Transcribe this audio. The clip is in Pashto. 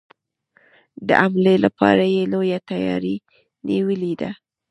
د حملې لپاره یې لويه تیاري نیولې ده.